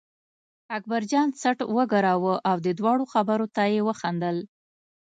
اکبرجان څټ و ګراوه او د دواړو خبرو ته یې وخندل.